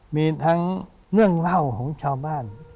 มีทั้งเรื่องเล่าของชาวบ้าน